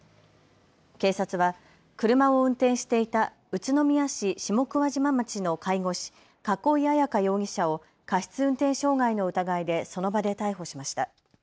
警察は車を運転していた宇都宮市下桑島町の介護士、栫彩可容疑者を過失運転傷害の疑いでその場で逮捕しました。